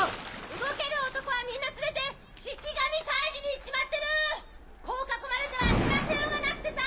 動ける男はみんな連れてシシ神退治に行っちまってるこう囲まれては知らせようがなくてさ！